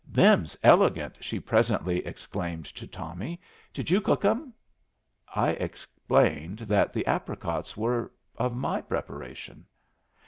"Them's elegant!" she presently exclaimed to Tommy. "Did you cook 'em?" I explained that the apricots were of my preparation.